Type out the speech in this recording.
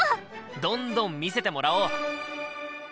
どんどん見せてもらおう！